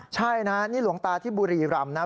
ใช่นะนี่หลวงตาที่บุรีรำนะ